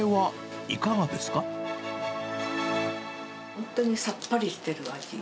本当にさっぱりしてる味。